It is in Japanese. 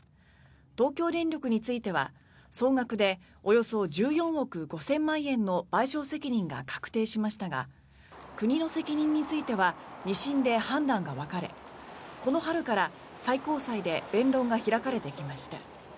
東京電力については、総額でおよそ１４億５０００万円の賠償責任が確定しましたが国の責任については２審で判断が分かれこの春から最高裁で弁論が開かれてきました。